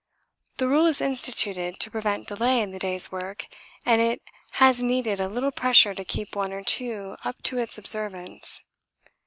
The rule is instituted to prevent delay in the day's work, and it has needed a little pressure to keep one or two up to its observance.